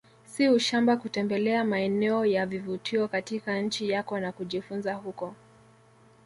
Si ushamba kutembelea maeneo ya vivutio katika nchi yako na kujifunza huko